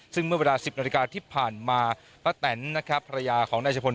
ซึ่งเมื่อเวลา๑๐นาฬิกาที่ผ่านมาป้าแตนนะครับภรรยาของนายชะพล